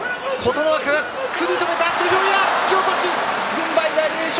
軍配大栄翔。